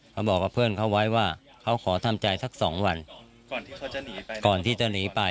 เขาบอกว่าเพื่อนเขาไว้ว่าเขาขอทำใจสักสองวันก่อนที่เขาจะหนีไป